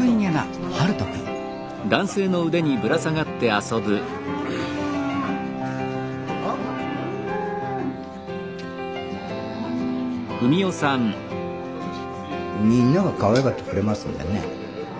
陽翔くんみんながかわいがってくれますんでね。